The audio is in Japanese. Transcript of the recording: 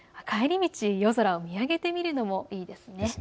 帰り道、夜空を見上げてみるのもいいですね。